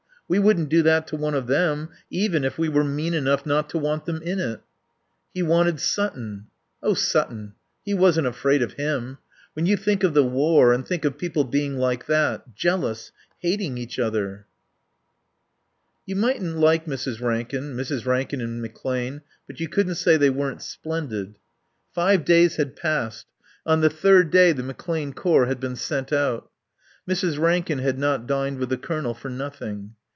We wouldn't do that to one of them, even if we were mean enough not to want them in it." "He wanted Sutton." "Oh, Sutton He wasn't afraid of him.... When you think of the war and think of people being like that. Jealous. Hating each other "You mightn't like Mrs. Rankin, Mrs. Rankin and McClane; but you couldn't say they weren't splendid. Five days had passed. On the third day the McClane Corps had been sent out. (Mrs. Rankin had not dined with the Colonel for nothing.)